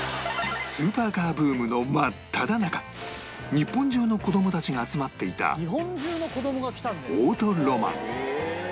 スーパーカーブームの真っただ中日本中の子供たちが集まっていたオートロマン